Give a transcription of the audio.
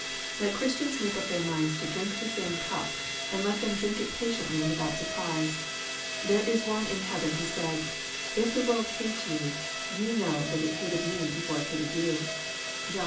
Let Christians make up their minds to drin^ the same cup, and let them drink it patiently and without surprise. There is One in heaven who said, " If the world hatejou, ye know that it hated Me before it hated you." (John xv.